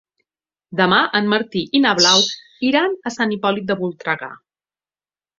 Demà en Martí i na Blau iran a Sant Hipòlit de Voltregà.